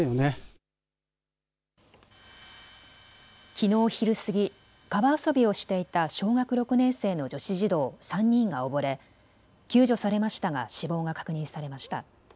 きのう昼過ぎ、川遊びをしていた小学６年生の女子児童３人が溺れ救助されましたが死亡が確認されました。